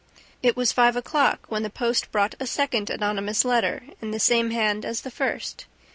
It was five o'clock when the post brought a second anonymous letter in the same hand as the first.